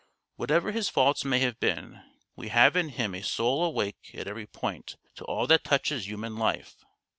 Whatever his faults may have been, we have in him a soul awake at every point to all that touches human life.